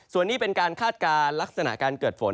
ส่วนนี้เป็นการคาดการณ์ลักษณะการเกิดฝน